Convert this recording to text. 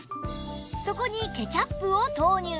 そこにケチャップを投入